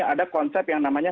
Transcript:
ada konsep yang namanya